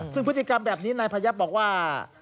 ซึ่งพฤติกรรมแบบนี้นายพยับบอกว่า